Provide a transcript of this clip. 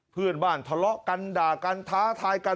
เพื่อนบ้านทะเลาะกันด่ากันท้าทายกัน